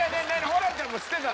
ホランちゃんも知ってたの？